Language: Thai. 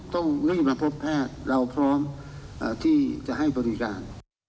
ต้องรีบมาพบแพทย์เราพร้อมที่จะให้บริการ